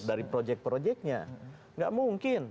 dari projek projeknya nggak mungkin